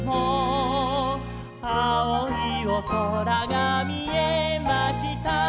「あおいおそらがみえました」